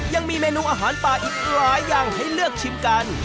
ยังมีเมนูอาหารป่าอีกหลายอย่างให้เลือกชิมกัน